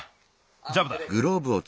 ジャブだ。